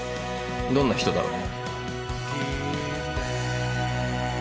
どんな人だろう。